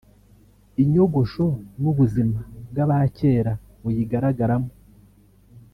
inyogosho n’ubuzima bw’abacyera buyigaragaramo